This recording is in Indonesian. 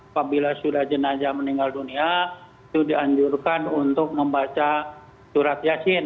apabila sudah jenazah meninggal dunia itu dianjurkan untuk membaca surat yasin